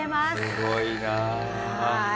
すごいなあ。